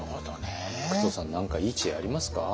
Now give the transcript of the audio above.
服藤さん何かいい知恵ありますか？